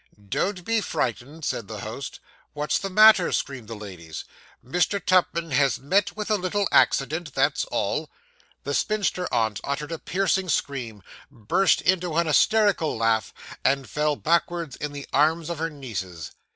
'Don't be frightened,' said the host. 'What's the matter?' screamed the ladies. 'Mr. Tupman has met with a little accident; that's all.' The spinster aunt uttered a piercing scream, burst into an hysteric laugh, and fell backwards in the arms of her nieces.